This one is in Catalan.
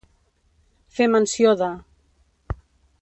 Fer menció de.